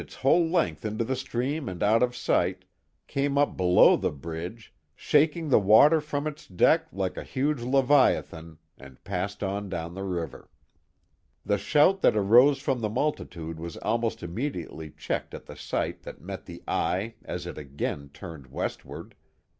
s whole length into the stream and out of sight, came up below the bridge, shaking the water from its deck like a huge levia than, and passed on down the river. The shout that arose from the multitude was almost immediately checked at the sight that met the eye as it again turned westward.